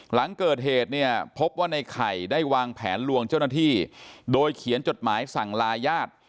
หลังเกิดเหตุเนี่ยพบว่าในไข่ได้วางแผนลวงเจ้าหน้าที่โดยเขียนจดหมายสั่งลาญาติ